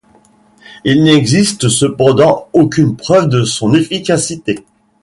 Il n'existe cependant aucune preuve de son efficacité.